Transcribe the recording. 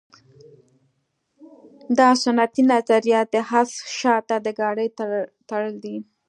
دا سنتي نظریه د اس شاته د ګاډۍ تړل دي.